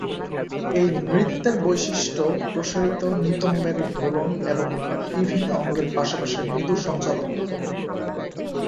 এই নৃত্যের বৈশিষ্ট্য প্রসারিত নিতম্বের দোলন এবং বিভিন্ন অঙ্গের পাশাপাশি মৃদু সঞ্চালন।